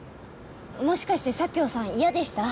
もしかして佐京さん嫌でした？